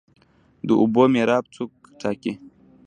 د اوبو میراب څوک ټاکي؟